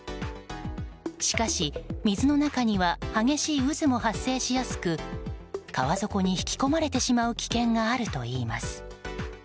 しかし、水の中には激しい渦も発生しやすく川底に引き込まれてしまう危険があるといいます。